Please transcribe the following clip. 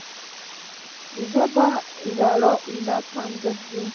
ژبه د ژړا علت هم ګرځي